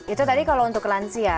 itu tadi kalau untuk lansia